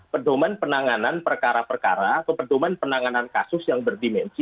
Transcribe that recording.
pedoman penanganan perkara perkara atau pedoman penanganan kasus yang berdimensi